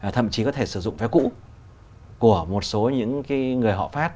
thậm chí có thể sử dụng vé cũ của một số những người họ phát